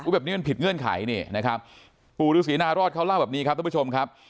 อุ๊ยแบบนี้มันผิดเงื่อนไขนี่นะครับปู่รูสีนารอดเขาเล่าแบบนี้ครับ